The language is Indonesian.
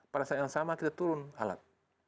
pada saat yang sama kita turun alat